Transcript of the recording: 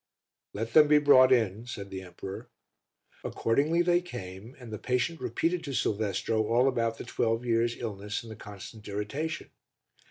"Let them be brought in," said the emperor. Accordingly they came, and the patient repeated to Silvestro all about the twelve years' illness and the constant irritation.